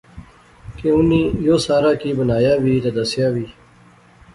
کہ انیں یو سارا کی بنایا وی تہ دسیا وی